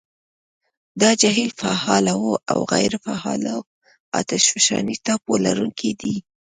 دا جهیل فعالو او غیرو فعالو اتشفشاني ټاپو لرونکي دي.